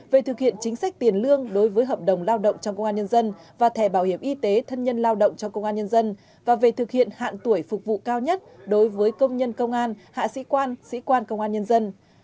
về thực hiện chính sách tiền lương đối với hợp đồng lao động trong công an nhân dân và thẻ bảo hiểm y tế thân nhân lao động trong công an nhân dân và về thực hiện hạn tuổi phục vụ cao nhất đối với công nhân công an hạ sĩ quan sĩ quan công an nhân dân